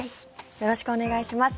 よろしくお願いします。